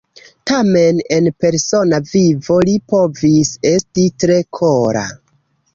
Tamen en persona vivo li povis esti tre kora.